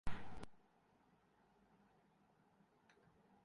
چیزوں میں وہ خوبصورتی دیکھتا ہوں جو شائد دوسرے نہیں دیکھتے